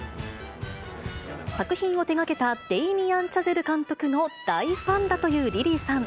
作品を手がけたデイミアン・チャゼル監督の大ファンだというリリーさん。